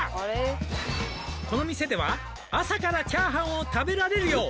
「この店では朝からチャーハンを食べられるよう」